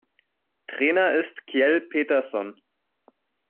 Trainer ist Kjell Petterson.